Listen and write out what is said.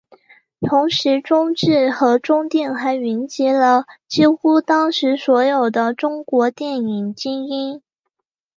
同时中制和中电还云集了几乎当时所有的中国电影精英。